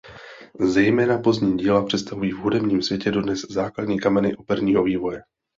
Zejména pozdní díla představují v hudebním světě dodnes základní kameny operního vývoje.